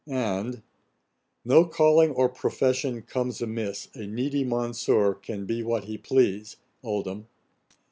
and, 'No calling or profession comes amiss, A needy monsieur can be what he please.' OLDHAM.